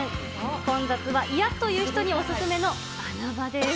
混雑は嫌という人にお勧めの穴場です。